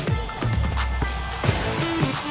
saya dari jakarta